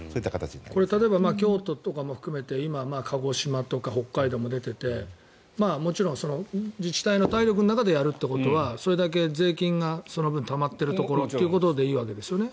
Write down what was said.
これは京都も含めて今、鹿児島とか北海道も出ていてもちろん自治体の体力の中でやるということはそれだけ税金がたまっているところというわけでいいわけですよね。